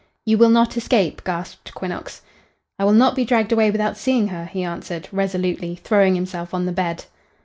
"You will not escape?" gasped Quinnox. "I will not be dragged away without seeing her," he answered, resolutely, throwing himself on the bed.